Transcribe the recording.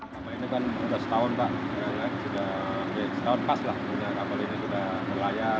kapal ini kan sudah setahun pak sudah setahun pas lah kapal ini sudah berlayar